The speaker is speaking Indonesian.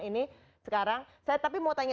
ini sekarang saya tapi mau tanya